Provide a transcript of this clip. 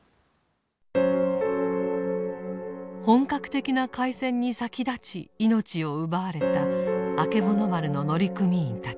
本格的な海戦に先立ち命を奪われたあけぼの丸の乗組員たち。